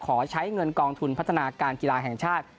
ขอใช้เงินกองทุนพัฒนาการกีฬาแห่งชาติ